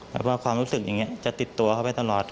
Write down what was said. แล้วก็ความรู้สึกอย่างนี้จะติดตัวเข้าไปตลอด